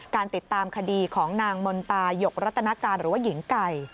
การติดตามคดีของนางมนตายกรัตนาจารย์หรือว่าหญิงไก่